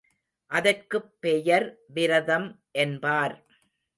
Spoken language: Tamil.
அதற்குப் பெயர் விரதம் என்பார்.